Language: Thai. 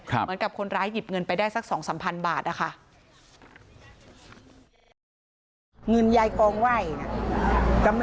เหมือนกับคนร้ายหยิบเงินไปได้สัก๒๓พันบาทนะคะ